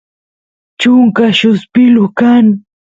chunka lluspilu kan